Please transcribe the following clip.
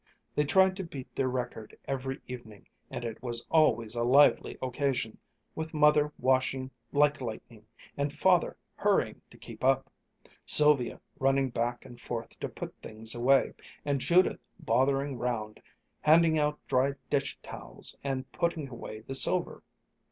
They tried to beat their record every evening and it was always a lively occasion, with Mother washing like lightning, and Father hurrying to keep up, Sylvia running back and forth to put things away, and Judith bothering 'round, handing out dry dish towels, and putting away the silver.